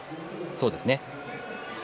そうですね。